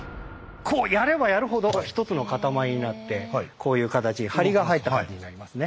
こうやればやるほど一つの塊になってこういう形梁が入った感じになりますね。